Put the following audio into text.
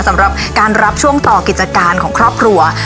สำหรับการรับช่วงต่อกิจการของครอบครัว